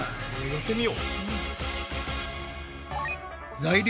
やってみよう。